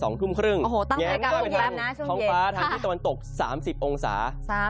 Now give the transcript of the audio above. อันนี้ก็เป็นท้องฟ้าทางที่ตะวันตก๓๐องศา